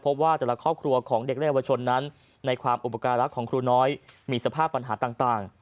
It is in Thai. ว่าแต่ละครอบครัวของเด็กและเยาวชนนั้นในความอุปการรักษ์ของครูน้อยมีสภาพปัญหาต่าง